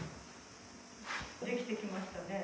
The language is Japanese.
できてきましたね。